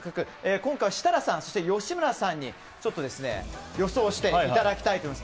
今回、設楽さんと吉村さんに予想していただきたいと思います。